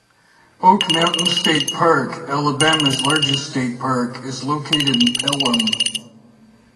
Oak Mountain State Park, Alabama's largest state park, is located in Pelham.